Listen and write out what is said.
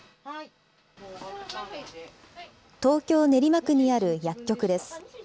東京・練馬区にある薬局です。